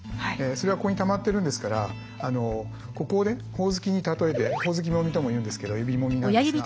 それはここにたまってるんですからここをねほおずきに例えてほおずきもみとも言うんですけど指もみなんですが。